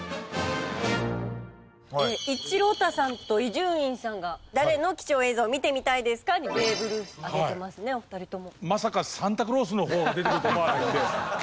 一朗太さんと伊集院さんが「誰の貴重映像を見てみたいですか？」にベーブ・ルース挙げてますねお二人とも。